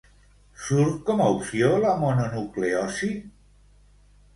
Surt com a opció la mononucleosi?